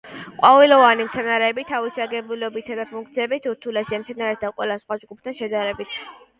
ყვავილოვანი მცენარეები თავისი აგებულებითა და ფუნქციებით ურთულესია მცენარეთა ყველა სხვა ჯგუფთან შედარებით.